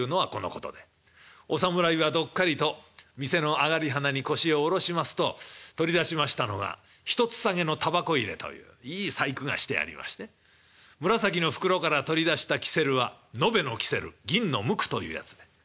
お侍はどっかりと店の上がりはなに腰を下ろしますと取り出しましたのが一つ提げのタバコ入れといういい細工がしてありまして紫の袋から取り出した煙管は延べの煙管銀の無垢というやつで。